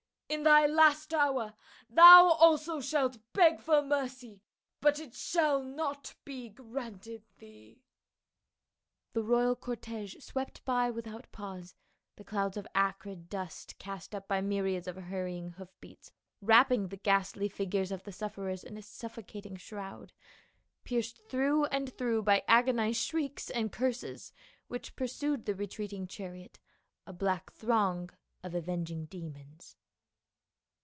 " In thy last hour thou also shalt beg for mercy, but it shall not be granted thee." The royal cortege swept by without pause, the clouds of acrid dust cast up by myriads of hurrying hoof beats wrapping the ghastly figures of the sufferers in a suffocating shroud, pierced through and throuL ^h 2CU PA UL. by agonized shrieks and curses, which pursued the retreating chariot, a black throng of avenging demons.